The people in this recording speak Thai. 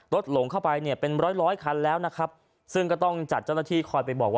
รถหลงเข้าไปเนี่ยเป็นร้อยคันแล้วนะครับ